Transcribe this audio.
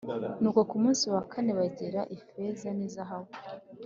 Nuko ku munsi wa kane bagera ifeza n izahabu